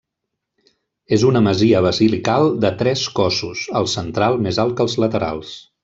És una masia basilical de tres cossos, el central més alt que els laterals.